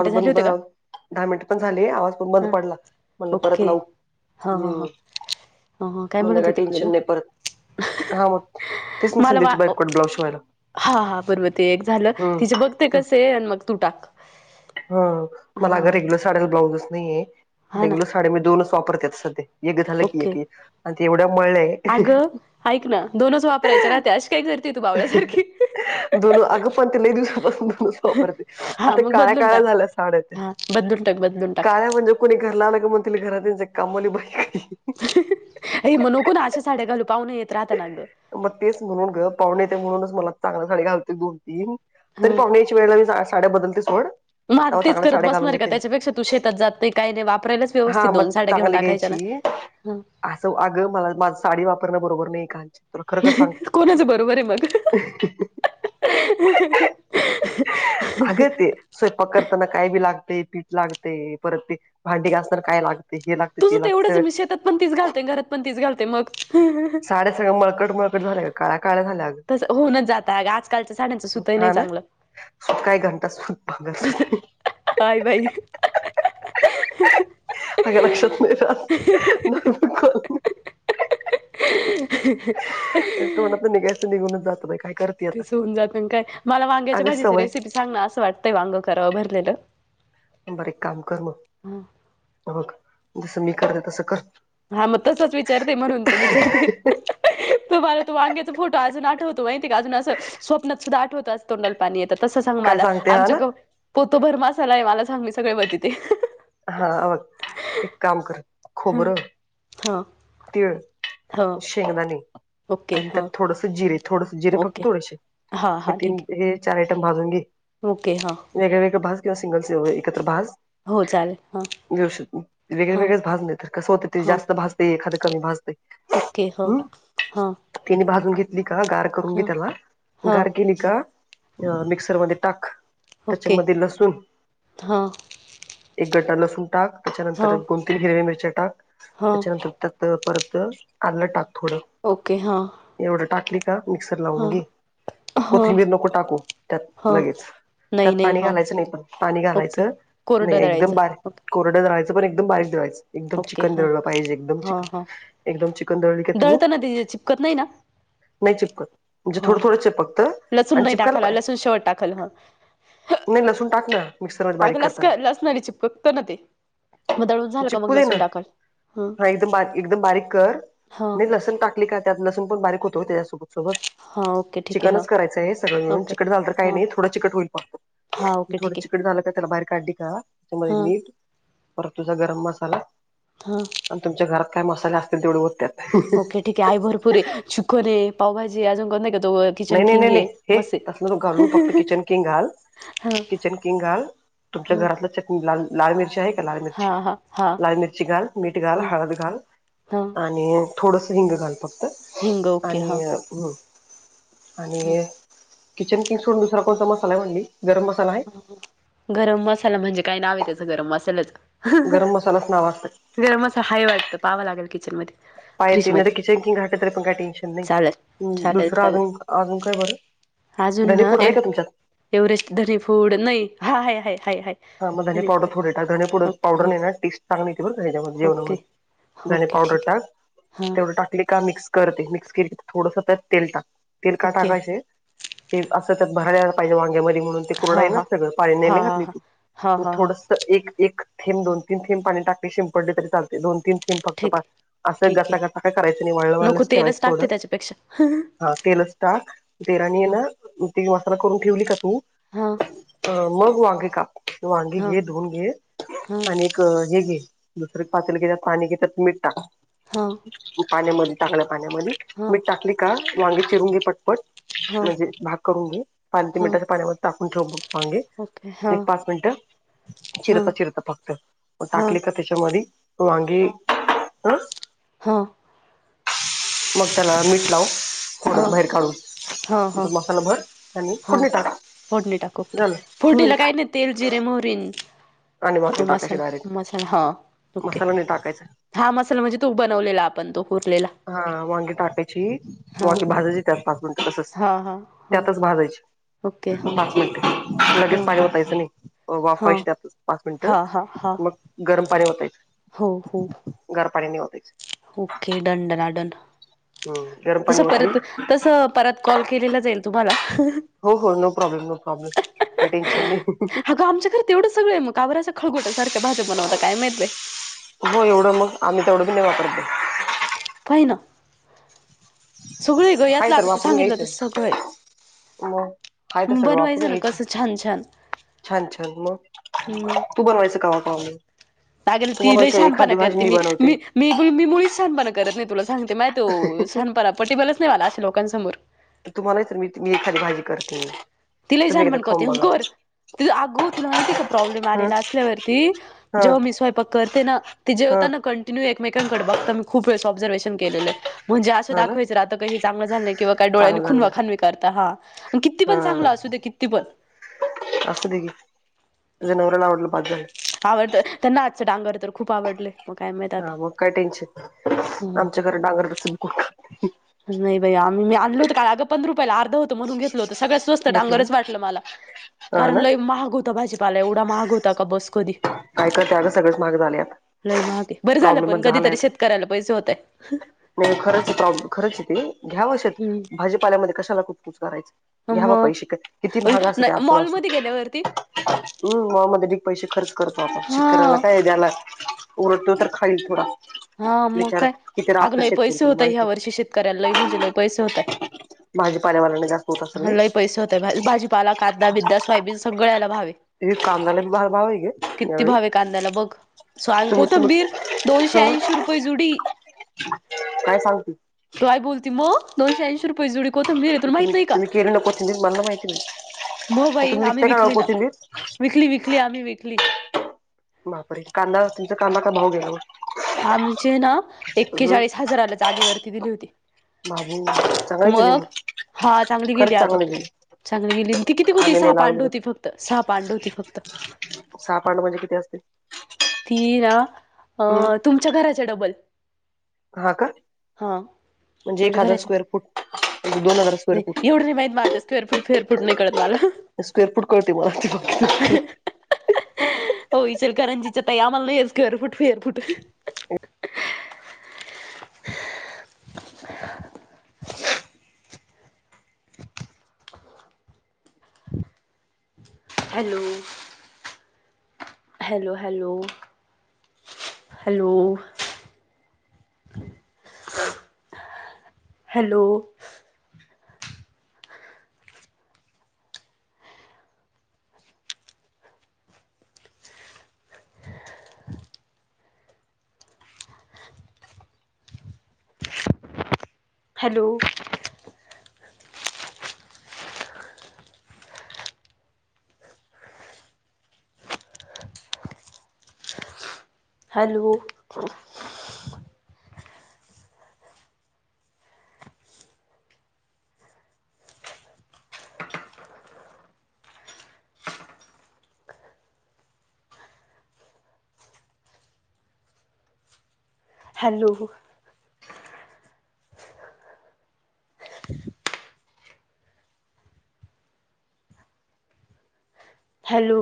आवाज झाले बंद होते का दहा मिनिट पण झाले आवाज पण बंद पडला म्हण परत लावू [unintelligible] हम्म हो काय म्हणलं म्हणत होते मी टेन्शन तुला नाही परत हा मग तेच ना मला संदीपची बायको कडे ब्लाऊज शिवायला ह बब एक झालं ति बघ [unintelligible] ते हम्म कसे आहे आणि मग तू टाक [unintelligible] ह मला अगर हा रेग्युलर साड्याला ब्लाउजच नाहीे हा ना रेग्युलर साड्या मी दोनच वापरते सध्या एक झालं की ओके एक आणि ते एवढं मळलंय अगं [unintelligible] कर त [unintelligible] दोन अगं पण ते दिवसापासून दोनच वापरते हा आता [unintelligible] मग काळ्या बदलून काळ्या टाक झाल्या साड हा बदलून टाक बदलून टाक काळ्या म्हणजे [unintelligible] कोणी घरला आलं का म्हण त घरात त्यांच कामाली बई [unintelligible] अ म्ह नकून अशा साड्या घालू पाहून येत राहताना गं [unintelligible] मग तेच म्हणून ग पाहुणे ते म्हणूनच मला चांगली साडी घालते दोन तीन तर ह पाहुणे [unintelligible] वेला मी साड्या बदलते सोड [unintelligible] म तेच चांगल्या करत साड्या घालून बसणार का घेते मी त्याच्यापेक्षा तू शेतात जात काही नाही वापरायच हा व्यवस्थित दोन मग साड्या घेऊन चांगली टाकायच्या ना घ्यायची हम [unintelligible] असं अगं मला माझ साडी वापरणं बरोबर नाही काची [unintelligible] कोणाचं बरोबर आहे मग अगं [unintelligible] [unintelligible] ते स्वयंपाक करताना काय बी लागते पीठ लागते परत ते भांडी घासताना काय लागते हे लागते [unintelligible] तुझं तेवढंच सगळं मी शेतात पण तच घालते घरात पणतीस घालते मग [unintelligible] साड्या सगळं मळकट मळकट झाल्या गं काळ्या काळ्या झालंं अगं तसं होऊनच जात आंग आजकालच्या साड्यांचं सुतही नाही चांगलं काही घंटा सुत बघा. सुत काय बाई अग लक्षात नाही राहत. मला नको [inaudible] तोंडातून निघायचं निघूनच जात बाई काय करते ते आता होऊन जात काय मला वांग्याच्या अगं भाजीच्या सवय रेसिपी सांग ना असं वाटतंय वांगं करावं भरलेलं बर एक काम कर मग, बघ जसं मी करते तसं कर हा मग तसच विचारते म्हणून तर विचारते तुम्हला तो वांग्याचा फोटो अजून आठवतो माहिती आहे का अजून असं स्वप्नात सुद्धा आठवत तोंडाला पाणी येतात तस सांग काय मला सांगते हा ना आमच्या पोत भर मासाला हाय मला सगळं मी म्हणत्याती हा, हे बघ एक काम कर हम्म, हा तिळ, शेंगदाने, ओके आणि हां त्यात थोडस जिरे थोडस जिरे फक्त ओके थोडेशे हां हे हां ठीक तीन हे चार आयटम भाजून घे ओके हां वेगळे वेगळे भाज किंवा सिंगल सिंगल, एकत्र भाज हो चालेल हां व्यवस्थित वेगळे हां वेगळेच भाज नाही तर कसं होतय ते हां जास्त भाज ते. एखाद कमी भाजतंय. ओके हो हां तिन्ही भाजून घेतली का गार करून घे हां त्याला हां गार केली का. मिक्सर मध्ये टाक ओके त्याच्यामध्ये लसूण हां एक गड्डा लसूण टाक हां त्याच्यानंतर दोन तीन हिरव्या मिरच्या टाक हां त्याच्यानंतर त्यात परत आल्ल टाक थोडं ओके हां एवढं टाकली का मिक्सर लावून हां घे हां कोथिंबीर नको टाकू त्यात हां लगेच नाही त्यात नाही पाणी हां घालायचं नाही पण पाणी ओके घालायचं नाही कोरडं एकदम दळायचं बार ओके कोरडा दळायच पण एकदम बारीक दळायचं एकदम ओके चिकन हां दळलं पाहिजे एकदम चि हां हां एकदम चिकन दळल का तू दळताना ते चिपकत नाही ना नाही चिपकत म्हणजे हां थोडं थोडं चिपकंत लसूण आणि नाही चिपकायला टाकायला पा लसूण शेवट टाकलं हा. नाही लसूण टाक ना मिक्सर मध्ये अगं बारीक लस करताना लसणारी चिपकतं ना ते मग दळून झालं का मग चिपकू दे ना लसूण टाकाल हां हा एकदम बारीक एकदम बारीक कर हां म लसूण टाक का त्यातलं पण बारीक होतो त्याच्यासोबत सोबत हां ओके ठीक आहे हां चिकनच करायचं आहे सगळं मिळून ओके चिकट झालं तर काही हां नाही थोडं चिकट होईल पाहतो हां म ओके थोडं ठीक आहे चिकन झालं का त्याला बाहेर काढडी का त्याच्यामध्ये हा मीठ परत तुझा गरम मसाला हा आणि तुमच्या घरात काय मसाले असतील तेवढे ओत त्यात ओके ठीके हाय भरपूर हे चिकन हे पावभाजी अजून करत नाही का तो नाही किचन नाही किंग नाही आहे नाही हे मस्त तसलं तो घालू फक्त किचन किंग घाल आहे किचन किंग घाल तुमच्या हा घरातलं चटणी लाल लाल मिरची आहे लाल हा मिर्ची, हा हा लाल मिर्ची घाल मीठ घाल हा हळद घाल हा आणि थोडंसं हिंग घाल फक्त हिंग ओके आणि हा आणि किचन किंग सोडून दुसरा कोण मसाला हाय म्हणली गरम मसाला हाय गरम मसाला म्हणजे काय नाव त्याच गरम मसाल्याच गरम मसालाच नाव असतय गरम मसाला हाय वाटतं पाहावं लागेल किचन मध्ये पाय ते ना तर किचन किंग घातलं तरी पण काही टेन्शन चालेल नाही चालेल दुसरं चालेल अजून, अजून काय बरं अजून ना धणेपूड ए आहे का तुमच्यात एव्हरेस्ट धनी फूड नाही हाय हय हाय हाय हाय हा मगधनी धनी पावडर फूड आहे थोडेे धनी ओके पावडर हां नाही ना टेस्ट सांगली ते बण त्याच्यामध्ये ओके जेवणामध्ये धणे ओके पावडर ठीक आहे टाक हां तेवढ टाकली का मिक्स करते मिक्स के तर थोडस त्या तेल टाक तेल का ओके टाका असे ते असं तर भरायला पाहिजे वांग्यामध्ये म्हणून ते कोरड आहे हां ना हां सगळं पाळ नने हां हां घातली हां हां तू हां हां थोड एक ेंब दोन तीनथें पाणी टाकले शिंपडले तरी चालते दोन तीन कि फक्त ठीक असं ठीक गसासा आहे काय करायचं नाही वळलं वळलंच ठेवायचं थोडं अपेक्षा हा हा तेलच टा तेलाने ना ती मसाला करून ठेवली का तू हा अ मग वांगे काप वांगी हा घे धुन घे हा आणि हे घे दुसर पातेलघे पाणी घे त्यात मीठ टाक हा पाण्यामध्ये टाकल्या पाण्यामध्ये मीठ टाकली का वांगी चिरूनपटपट हा म्हणजे भाग करून घे पाल ते हा मिठाच्या पाण्यामध्ये टाकून ठेव वांगी ओके हा पाच मिनट चि हा चिर फक्त हा टाक त्याच्यामध्ये वांगे ह हां मग त्याला मीठ लाव थोड हा बाहेर काढून हा ह मसाला भर आणि हा फोडणी टाक फोडणी टाकओके झालं हम्म फोडडीला काही नाही तेल जिरे मोरीन आणि वांगी तो मसा टाकायची डायरेक्ट मसाला हा ओके मसाला नाही टाकायचा हा मसाला म्हणजे तो बनवलेला आपण तो उरलेला हा वांगे टाकायची हा वाांगे भाजायचे त्यात पाच मिनिट तसच हा हा हा त्यातच ओके भाजायचे हा पाच मिनिट लगेच हा पाणी हा ओतायचनाहीवाफवायची त्यात हा हा हा पाचमिनिटमग गरम पाणी ओतायच हो हो गार पाणी नाही वापरायचं ओके डनडनडन हम्म गरम तस पाणी ओतली परत तस परत कॉल केला जाईल तुम्हाला हो हो नो प्रॉब्लेम नो प्रॉब्लेम काय टेन्शन नाही हग आमच्यार तेवढं सगळंग काबराच्या खळगोट सार्या भाज्या बनवता काय माहीिते हो एवढं मग आम्ही तेवढं पी नाही वापरते होय ना सगळे ग हाय याेतला तर आता तू वापरून सांगितलं ते घ्यायचं सगळे मग हाय तर सगळं वापरून बनवायचं ना घ्यायचं कसं छान छान छान छान मग तू बनवायचं कावा कावा मी अगं ती लय शहाणपणा करते मी बनवते मी मी ब मी मुळीच छानपणा करत नाही तुला सांगते मा तो छानपणा पटेबलच नाही मला अे लोकांसमोर तुम्हालाही मी मी एखादी भाजी करते तिलाही जाण तुम्ही एकदा म्हण कोते खाऊन बघा हंकोर ति अगो तुला माहिती का प्रॉब्लेम हं आलेला असल्यावरती हं जेव्हा मी स्वयपाक करते ना तेी जेवता हं ना कं एकमेकांकडे बघताना मी खूप वेळा ऑब्झर्वेशन केले म्हणजे असं हा ना दाखवायचं आता काही चांगलं झालं किंवा काय डळ्यानी चांगलं खूनवा झालं खाानवी करता हा किती पण. चांगलं असू द किती पण. असं दे की ज नवराला आवडलं बस झालं आवडत त्यांना आजचं डांगर तर खूप आवडले मग काय माहित हा मग काय टेन्शन आता आमच्या कडे नाही बाई आम्हीी आणल होत काल अग पंध या रुपयाला अर्ध होतं म्हणून घ हो सगळ स्वस्त घेतलं डांगर वाट मला ना हा कारण ना ल महाग होते. पाला एवढा माहाग होता का बस कधी. काय करते अगं सगळेच महाग झालेत लय महाग बर झालं पण प्रॉब्लेमच कधीतरी झालायत शेत. करायला पैसे होत. नाही खरंच प्र खरच तेे घ्याव अशेत हम्म भाजीपाल्यामध्ये कशाला खूप कूच करायच. घ्यावा मग पैसे किती महाग अस ते असूनसून. मॉलमध्ये गेल्यावरती हम् ममध्येध्ये अिक पैसे खर्च करतो आता हा शेतकऱ्याला काय द्याला. उरत तर र खा थोड. हा मग काय अगलंही पैसे होतय ह्या माहिती आहे. वर्षी शेतकऱ्या लही म्हणजे लय पैसे होतय. भाजीपाण्यावाल्यांनी जाात का. हल्लाही पैसे होते भाजीपाला कादा बिद्दा सवायबीन सगळ्याला भावे हे काम झाले भाव आहे गे यावेळी. आहे कांद्याला बघ स्वाय तुम्ही कोथंबीर तुम्ही दोनशे ह ऐंशी रुपये जुडी. काय सांगते. काय बोल मग दोनशेऐंशी रुपये जुडी. त मीरथून माहित तुम्ही नाही का तुम्ही केली ना कोथिंबीर मला माहिती नाही म मग बाई तुम्ही आम्ही विकताय का विकली ना. कोथिंबीर? विकली विकली आम्ही विकली. मापर कांदा तुमचा कांदा काय भाऊ घेला. आमचे ना एक्केचाळीस हजाराला जागेवरती दिली होती. माजून चांगले गेले मग मी हा चांगली गेली खरंच अगं. चांगले गेले. चांगली गेली ती किती होती आम्ही सहा नाही लावले पांड बघ. होती फक्त सहा पांड होती फक्त. सहापांड म्हणजे किती असते. ती ना अ हम्म तुमच्या घराच्या डबल. हा का. हा म्हणजे एक तुमच्या हजार घराच्या स्क्वेअर फुट दोन हजार स्क्वेर फुट. फेरफुट फेरफूट नाही करत मला. स्क्वेअर फुट करततीव म. इ चलकरंजीच्या ताई आम्हाला नाही आहे स्क्वेअर फुट फवेअर foot. Hello! Hello hello hello, hello, हा. हॅलो! हॅलो! हॅलो, ! हॅलो!